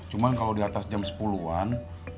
cuma kalau di atas jam sepuluh an